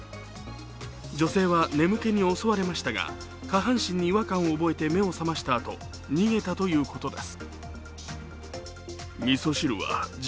女性は眠気に襲われましたが下半身に違和感を覚えて目を覚ましたあと逃げたということです。